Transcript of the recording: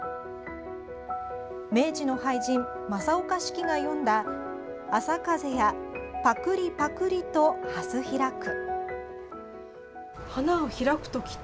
明治の俳人・正岡子規が詠んだ「朝風やぱくりぱくりと蓮開く」。